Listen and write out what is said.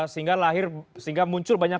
sehingga muncul banyak